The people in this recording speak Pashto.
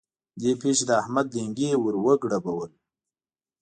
دې پېښې د احمد لېنګي ور وګړبول.